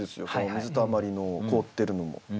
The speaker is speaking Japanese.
水たまりの凍ってるのも。